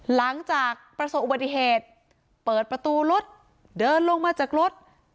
หลังจากประสบอุบัติเหตุเปิดประตูรถเดินลงมาจากรถ